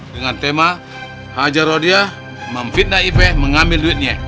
dengan tema haja rodia memfitnah ipe mengambil duitnya